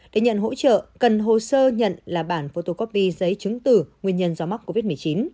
để nhận hỗ trợ cần hồ sơ nhận là bản photocopy giấy chứng tử nguyên nhân do mắc covid một mươi chín